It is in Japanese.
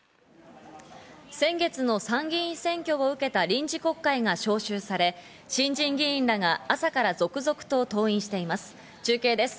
先月の参議院選挙を受けた臨時国会が召集され、新人議員らが朝から続々と登院しています。